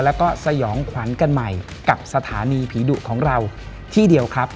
แล้วก็สยองขวัญกันใหม่กับสถานีผีดุของเราที่เดียวครับ